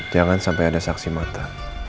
jangan sampai ada saksi mata